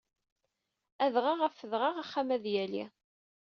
Adɣaɣ af wedɣaɣ, axxam ad yali.